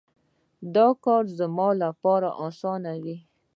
دا کار به زما لپاره اسانه وي